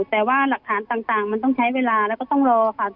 แต่ว่าหลักฐานต่างมันต้องใช้เวลาแล้วก็ต้องรอค่ะ